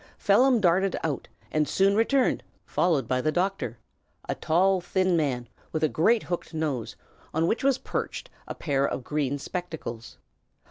Phelim darted out, and soon returned, followed by the doctor, a tall, thin man with a great hooked nose, on which was perched a pair of green spectacles.